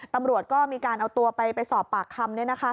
ตำรวจก็มีการเอาตัวไปสอบปากคำ